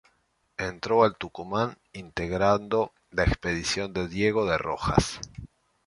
Entró al Tucumán integrando la expedición de Diego de Rojas.